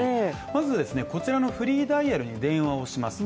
まず、こちらのフリーダイヤルに電話をします。